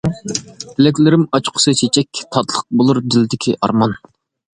تىلەكلىرىم ئاچقۇسى چېچەك، تاتلىق بولۇر دىلدىكى ئارمان.